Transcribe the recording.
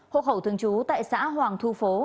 hộ khẩu thường trú tại xã hoàng thu phố